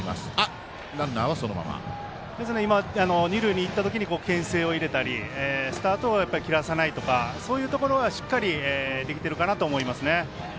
今、二塁にいったときにけん制を入れたりスタートを切らさないとかそういうところがしっかりできてるかなと思いますね。